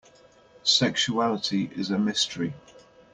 Sexuality is a mystery.